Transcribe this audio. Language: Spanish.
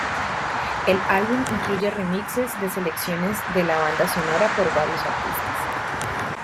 El álbum incluye remixes de selecciones de la banda sonora por varios artistas.